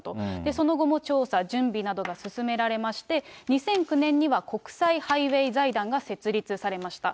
その後も調査、準備などが進められまして、２００９年には国際ハイウェイ財団が設立されました。